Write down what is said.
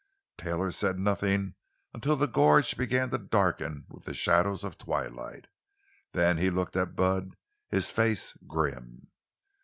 Taylor said nothing until the gorge began to darken with the shadows of twilight. Then he looked at Bud, his face grim.